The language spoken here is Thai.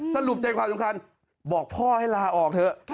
สรุปใจความสำคัญบอกพ่อให้ลาออกเถอะ